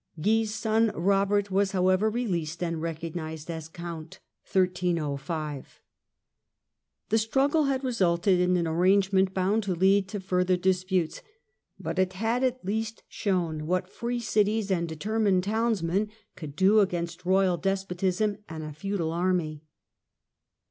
Guy's son Kobert was, how p^^^^^^^*^' ever, released and recognised as Count. The struggle 1305 had resulted in an arrangement bound to lead to further disputes, but it had at least shown what free cities and determined townsmen could do against royal despotism and a feudal army.